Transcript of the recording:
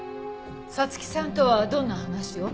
彩月さんとはどんな話を？